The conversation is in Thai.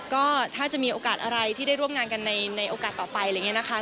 ก็ถ้าจะมีโอกาสอะไรที่ได้ร่วมงานกันในโอกาสต่อไปอะไรอย่างนี้นะคะ